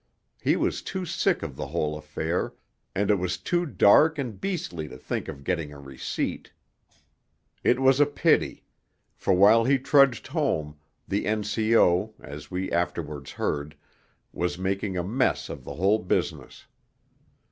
He was too sick of the whole affair, and it was too dark and beastly to think of getting a receipt. It was a pity; for while he trudged home, the N.C.O., as we afterwards heard, was making a mess of the whole business.